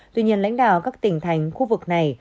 tuy nhiên lãnh đạo các tỉnh thành khu vực này